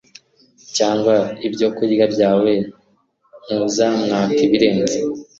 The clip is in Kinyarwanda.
cyangwa ibyo kurya byawe nk'uzamwaka ibirenze.